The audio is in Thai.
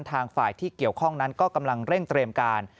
ทางฝ่ายที่เกี่ยวข้องนั้นก็กำลังเร่งเตรียมการ